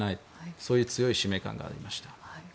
そういう強い使命感がありました。